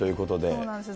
そうなんです。